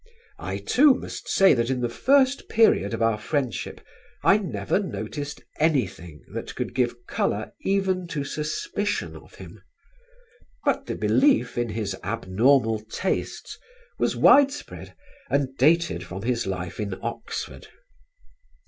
I, too, must say that in the first period of our friendship, I never noticed anything that could give colour even to suspicion of him; but the belief in his abnormal tastes was widespread and dated from his life in Oxford.